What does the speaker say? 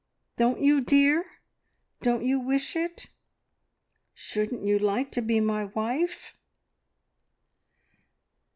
Don't you, dear, don't you wish it? Shouldn't you like to be my wife?"